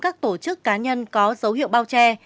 các tổ chức cá nhân có dấu hiệu bao che